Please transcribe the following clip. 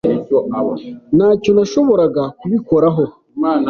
Ntacyo nashoboraga kubikoraho.